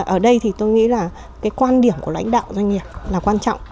ở đây thì tôi nghĩ là cái quan điểm của lãnh đạo doanh nghiệp là quan trọng